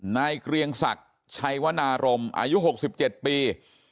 นายเกรียงศักดิ์ชัยวนารมณ์อายุหกสิบเจ็ดปี